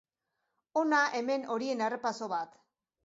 Hona hemen horien errepaso bat.